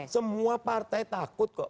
semua partai takut kok